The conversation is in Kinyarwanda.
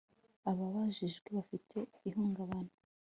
ababajijwe bafite ihungabana